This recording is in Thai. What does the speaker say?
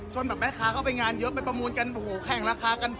แบบแม่ค้าเข้าไปงานเยอะไปประมูลกันโอ้โหแข่งราคากัน